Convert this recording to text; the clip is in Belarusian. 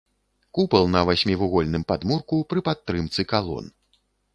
Купал на васьмівугольным падмурку пры падтрымцы калон.